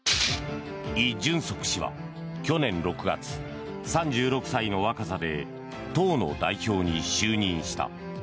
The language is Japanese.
イ・ジュンソク氏は去年６月３６歳の若さで党の代表に就任した。